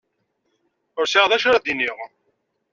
Ur sɛiɣ d acu ara d-iniɣ.